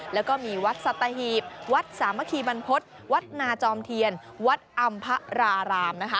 แล้วก็มีวัดสัตหีบวัดสามัคคีบรรพฤษวัดนาจอมเทียนวัดอำพระรารามนะคะ